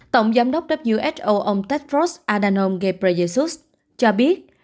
tổng giám đốc who ông tedros adhanom ghebreyesus cho biết